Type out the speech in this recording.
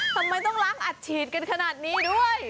ทำไมต้องล้างอัดฉีดกันขนาดนี้ด้วย